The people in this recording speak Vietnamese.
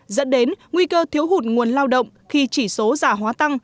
dẫn đến nguy cơ thiếu hụt nguồn lao động khi chỉ số giả hóa tăng